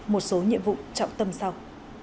một số nhiệm vụ trọng tâm sau